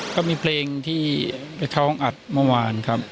ก็มีเพลงที่ไปท้องอัดเมื่อวานครับ